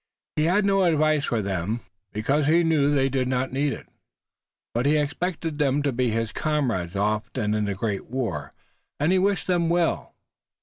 He had no advice for them, because he knew they did not need it, but he expected them to be his comrades often in the great war, and he wished them well.